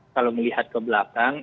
kalau melihat ke belakang